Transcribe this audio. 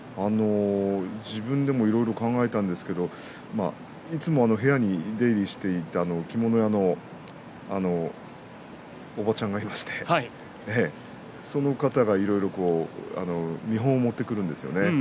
自分でもいろいろ考えたんですけれどもいつもの部屋に出入りしていた着物屋のおばちゃんがいましてその方がいろいろと見本を持ってくるんですよね。